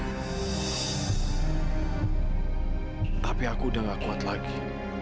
tapi aku udah gak kuat lagi